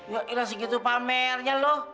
ya ini segitu pamernya loh